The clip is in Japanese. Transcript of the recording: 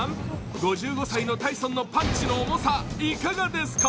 ５５歳のタイソンのパンチの重さ、いかがですか？